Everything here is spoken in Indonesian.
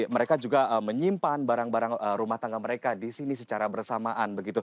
mereka juga menyimpan barang barang rumah tangga mereka di sini secara bersamaan